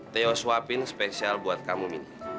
teo suapin spesial buat kamu mini